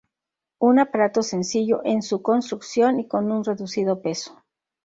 Un aparato sencillo en su construcción y con un reducido peso.